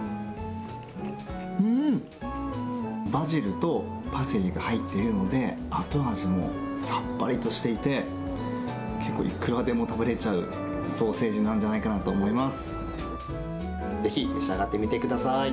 うーん、バジルとパセリが入っているので、後味もさっぱりとしていて、結構いくらでも食べれちゃうソーセージなんじゃないかなと思います。